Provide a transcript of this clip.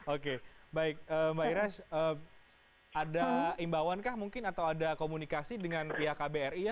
oke baik mbak iresh ada imbauankah mungkin atau ada komunikasi dengan pihak kbri ya